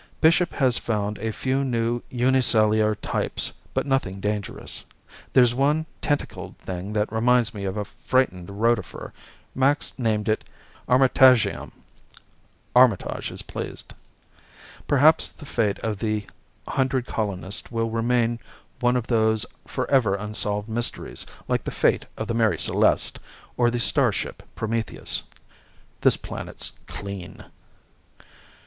Bishop has found a few new unicellular types, but nothing dangerous. There's one tentacled thing that reminds me of a frightened rotifer. Max named it Armitagium. Armitage is pleased. Perhaps the fate of the hundred colonists will remain one of those forever unsolved mysteries, like the fate of the Mary Celeste or the starship Prometheus. This planet's clean.